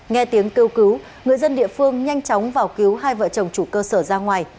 nghe tiếng kêu cứu người dân địa phương nhanh chóng vào cứu hai vợ chồng chủ cơ sở ra ngoài